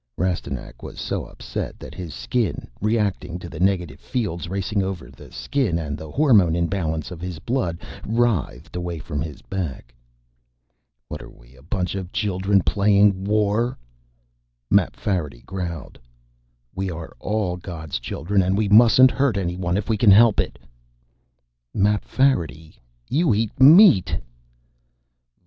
Rastignac was so upset that his Skin, reacting to the negative fields racing over the Skin and the hormone imbalance of his blood, writhed away from his back. "What are we, a bunch children playing war?" Mapfarity growled, "We are all God's children, and we mustn't hurt anyone if we can help it." "Mapfarity, you eat meat!"